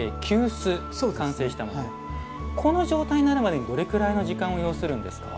この状態になるまでにどれくらいの時間を要するんですか？